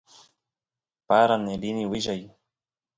paran rini willay